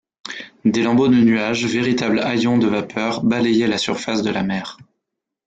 Des lambeaux de nuages, véritables haillons de vapeurs, balayaient la surface de la mer.